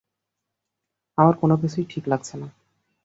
আমার কোন কিছুই ঠিক লাগছে না।